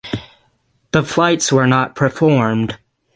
The flights were not performed.